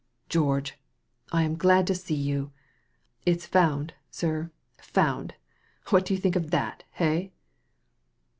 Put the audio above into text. " George I I am glad to see you. It's found, sir — found i What do you think of that, hey